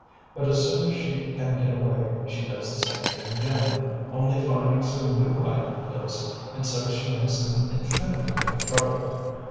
But as soon as she can get away, she does the same thing again, only finding some new hiding place, and so she makes an infinity of trouble.